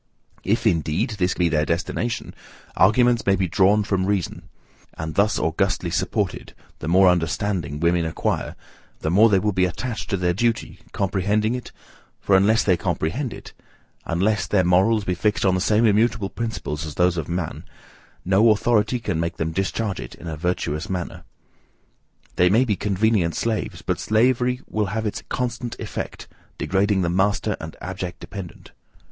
If, indeed, this be their destination, arguments may be drawn from reason; and thus augustly supported, the more understanding women acquire, the more they will be attached to their duty, comprehending it, for unless they comprehend it, unless their morals be fixed on the same immutable principles as those of man, no authority can make them discharge it in a virtuous manner. They may be convenient slaves, but slavery will have its constant effect, degrading the master and the abject dependent.